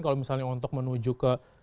kalau misalnya untuk menuju ke